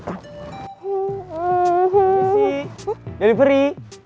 permisi dari peri